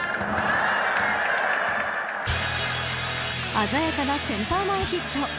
鮮やかなセンター前ヒット。